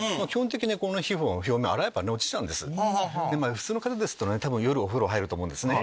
普通の方ですと夜お風呂入ると思うんですね。